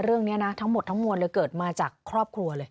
เรื่องนี้นะทั้งหมดทั้งมวลเลยเกิดมาจากครอบครัวเลย